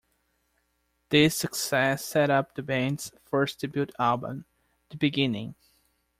This success set up the band's first debut album, "The Beginning".